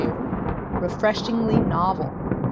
"Refreshingly novel."